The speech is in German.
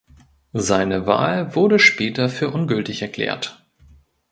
Seine Wahl wurde später für ungültig erklärt.